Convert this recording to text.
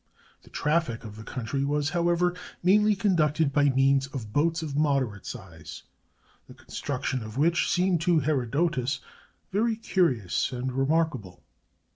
The traffic of the country was, however, mainly conducted by means of boats of moderate size, the con struction of which seemed to Herodotus very curious and remarkable.